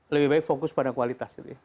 lebih baik fokus pada kualitas